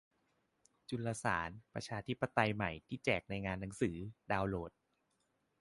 จุลสาร ประชาธิปไตยใหม่ ที่แจกในงานหนังสือ ดาวน์โหลด